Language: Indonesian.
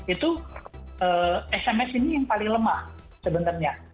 itu sms ini yang paling lemah sebenarnya